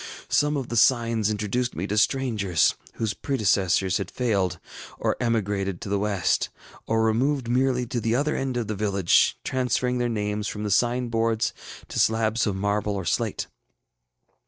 Some of the signs introduced me to strangers, whose predecessors had failed, or emigrated to the West, or removed merely to the other end of the village, transferring their names from the sign boards to slabs of marble or slate.